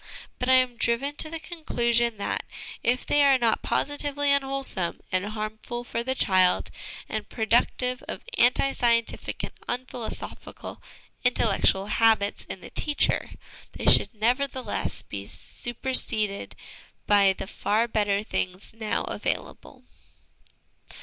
But I am driven to the conclusion that, if they are not positively unwhole some and harmful for the child, and productive of anti scientific and unphilosophical intellectual habits in the teacher, they should nevertheless be superseded by the far better things now available."